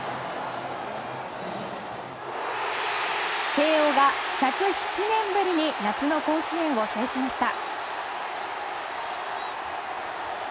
慶応が１０７年ぶりに夏の甲子園を制しました。